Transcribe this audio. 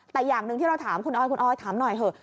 แต่อย่างหนึ่งที่เราถามคุณออยคุณออยถามหน่อยเถอะ